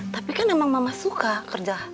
tapi kan emang mama suka kerja